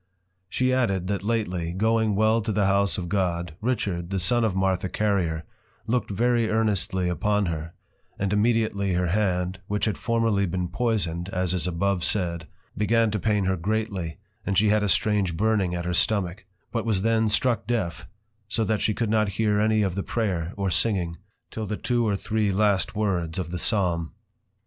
She added, that lately, going well to the House of God, Richard, the son of Martha Carrier, look'd very earnestly upon her, and immediately her hand, which had formerly been poisoned, as is abovesaid, began to pain her greatly, and she had a strange Burning at her stomach; but was then struck deaf, so that she could not hear any of the prayer, or singing, till the two or three last words of the Psalm.